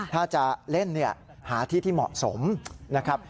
ถ้าจะเล่นหาที่ที่เหมาะสมนะครับ